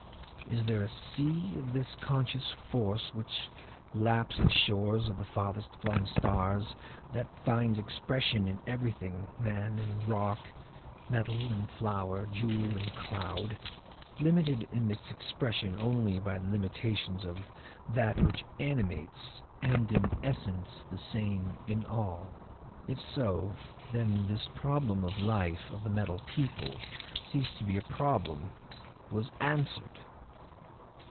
Is there a sea of this conscious force which laps the shores of the farthest flung stars; that finds expression in everything man and rock, metal and flower, jewel and cloud? Limited in its expression only by the limitations of that which animates, and in essence the same in all. If so, then this problem of the life of the Metal People ceased to be a problem; was answered!